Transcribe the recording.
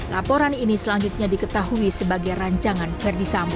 laporan ini selanjutnya diketahui sebagai rancangan sheh gatti sambo